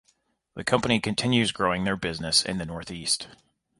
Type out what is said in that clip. The company continues growing their business in the Northeast.